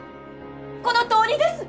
このとおりです！